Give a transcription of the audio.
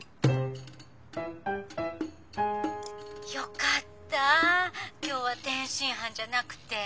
よかった今日は天津飯じゃなくて。